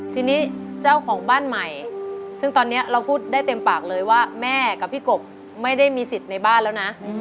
ทีนี้เจ้าของบ้านใหม่ซึ่งตอนนี้เราพูดได้เต็มปากเลยว่าแม่กับพี่กบไม่ได้มีสิทธิ์ในบ้านแล้วนะ